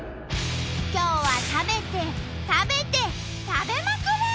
今日は食べて食べて食べまくる！